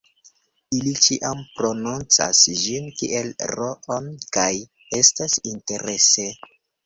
Ili ĉiam prononcas ĝin kiel ro-n kaj estas interese